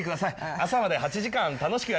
朝まで８時間楽しくやりましょ。